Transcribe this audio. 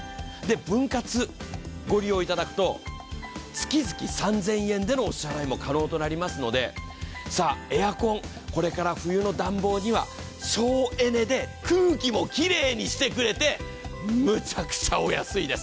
分割をご利用いただくと、月々３０００円でのお支払いも可能となりますので、さあ、エアコン、これから冬の暖房には省エネで空気もきれいにしてくれて、むちゃくちゃお安いです。